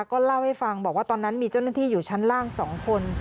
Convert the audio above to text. ก็เล่าให้ฟังบอกว่าตอนนั้นมีเจ้าหน้าที่อยู่ชั้นล่าง๒คน